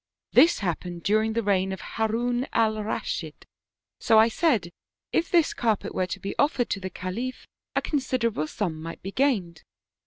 This happened during the reign of Harun Alraschid, so I said if this car pet were to be offered to the Khalif a considerable sum might be gained.